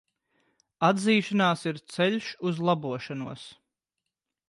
Atzīšanās ir ceļš uz labošanos.